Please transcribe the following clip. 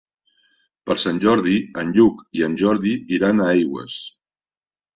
Per Sant Jordi en Lluc i en Jordi iran a Aigües.